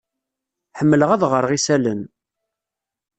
Ḥemmleɣ ad ɣreɣ isalan.